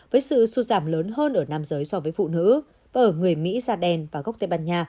với sự xu giảm lớn hơn ở nam giới so với phụ nữ và ở người mỹ da đen và gốc tây ban nha